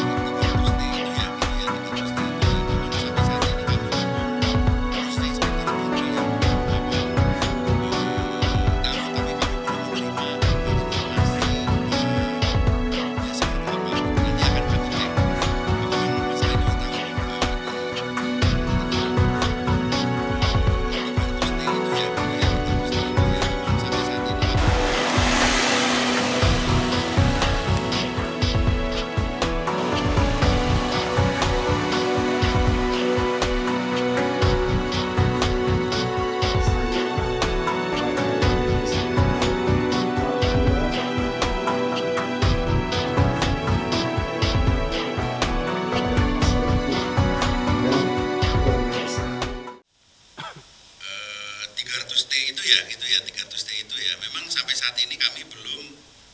tiga ratus t itu ya gitu ya tiga ratus t itu ya memang sampai saat ini kami belum